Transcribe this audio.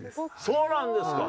そうなんですか！